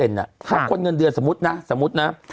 ถ้าคนเงินเดือนสมมุตินะ